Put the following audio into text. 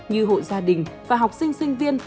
như hộ gia đình và học sinh sinh viên